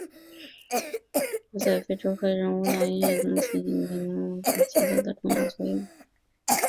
鼓在非洲黑人舞蹈音乐中起着引领舞曲节奏的重要作用。